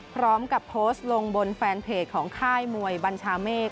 พร้อมกับโพสต์ลงบนแฟนเพจของค่ายมวยบัญชาเมฆ